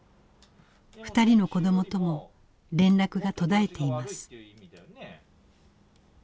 ２人の子どもとも連絡が途絶えています。